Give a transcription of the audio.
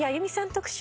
特集。